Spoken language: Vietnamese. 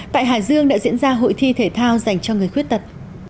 tại hải dương đã diễn ra hội thi thể thao dành cho người khuyết tật